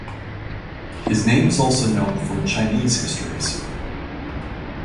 His name is also known from Chinese histories.